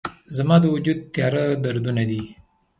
زما د وجود تیاره دردونه دي